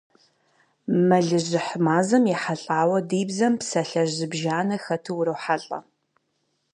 Мэлыжьыхь мазэм ехьэлӀауэ ди бзэм псалъэжь зыбжанэ хэту урохьэлӀэ.